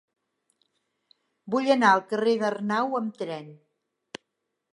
Vull anar al carrer d'Arnau amb tren.